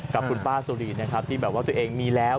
กับคุณป้าสุรีนะครับที่แบบว่าตัวเองมีแล้ว